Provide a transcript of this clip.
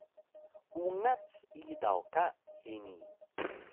Ungac idaw ka hini